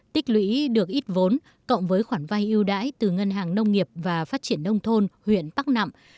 tích lũy được ít vốn cộng với khoản vai yêu đãi từ ngân hàng nông nghiệp và phát triển nông thôn huyện bắc nặng